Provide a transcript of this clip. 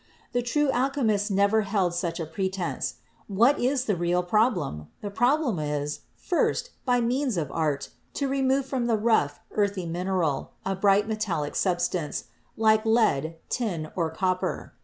The true alchemists never held such a pretence. What is the real problem? The problem is, first, by means of art, to remove from the rough, earthy mineral a bright metallic substance, like lead, tin or copper.